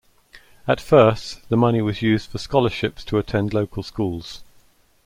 At first the money was used for scholarships to attend local schools.